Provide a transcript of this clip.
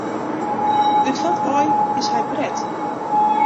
Ut wat aai is hy bret?